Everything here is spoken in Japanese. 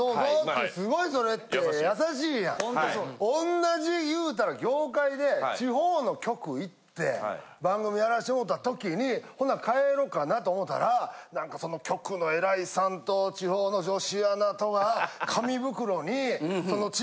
同じ言うたら業界で地方の局行って番組やらしてもうた時にほな帰ろかなと思ったらなんか局の偉いさんと地方の女子アナとが紙袋に。